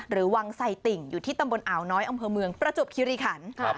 วังไสติ่งอยู่ที่ตำบลอ่าวน้อยอำเภอเมืองประจวบคิริขัน